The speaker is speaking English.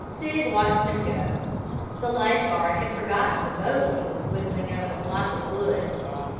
Sig watched him go. The life guard had forgotten the boat he was whittling out of a block of wood.